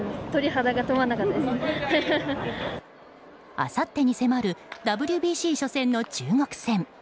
あさってに迫るＷＢＣ初戦の中国戦。